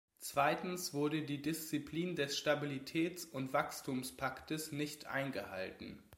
Zweitens wurde die Disziplin des Stabilitäts- und Wachstumspaktes nicht eingehalten.